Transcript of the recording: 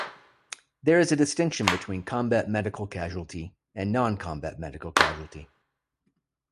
There is a distinction between combat medical casualty and non-combat medical casualty.